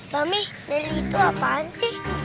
mami nelly itu apaan sih